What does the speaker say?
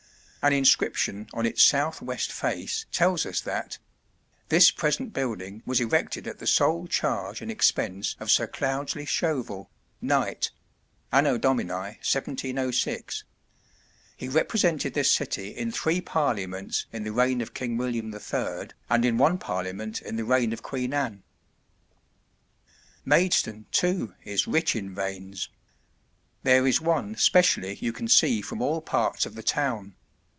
An inscription on its south west face tells us that "This present building was erected at the sole charge and expense of Sir Cloudsley Shovel, Knight, A.D. 1706. He represented this city in three Parliaments in the reign of King William the Third, and in one Parliament in the reign of Queen Anne." [Illustration: On ye Church] Maidstone, too, is rich in vanes. There is one specially you can see from all parts of the town.